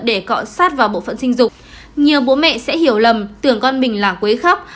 để cọ sát vào bộ phận sinh dục